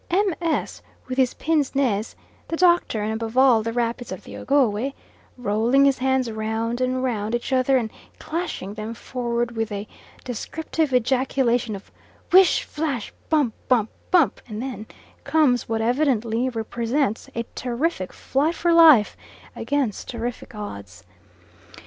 M. S , with his pince nez, the Doctor, and, above all, the rapids of the Ogowe, rolling his hands round and round each other and clashing them forward with a descriptive ejaculation of "Whish, flash, bum, bum, bump," and then comes what evidently represents a terrific fight for life against terrific odds.